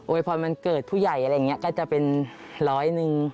พรวันเกิดผู้ใหญ่อะไรอย่างนี้ก็จะเป็นร้อยหนึ่ง